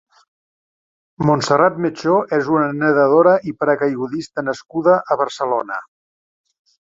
Montserrat Mechó és una nedadora i paracaiguista nascuda a Barcelona.